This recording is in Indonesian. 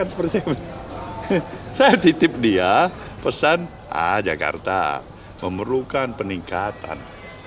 saya titip dia pesan ah jakarta memerlukan peningkatan